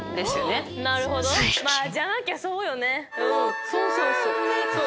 そうそうそう。